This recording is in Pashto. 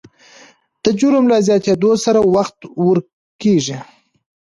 د جرم له زیاتېدو سره وخت ورو کېږي.